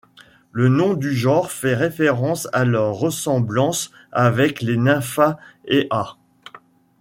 Le nom du genre fait référence à leur ressemblance avec les Nymphaeas.